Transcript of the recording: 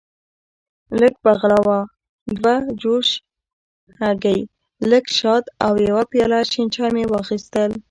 لږه بغلاوه، دوه جوشې هګۍ، لږ شات او یو پیاله شین چای مې واخیستل.